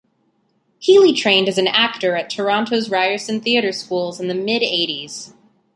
Healey trained as an actor at Toronto's Ryerson Theatre School in the mid -eighties.